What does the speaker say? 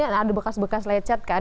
ada bekas bekas lecet kan